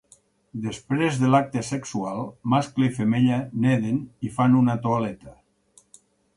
Després de l'acte sexual, mascle i femella neden i fan una toaleta.